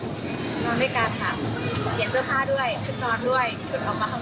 กลับมาข้างนอกแบบนี้ก็คือ